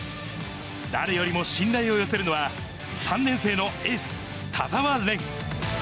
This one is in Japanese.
誰よりも信頼を寄せるのは、３年生のエース、田澤廉。